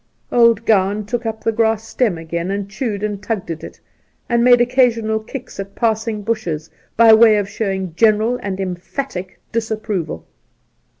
'Old Gowan took up the grass stem again, and chewed and tugged at it, and made occasional kicks at passing bushes, by way of showing a general and emphatic disapproval.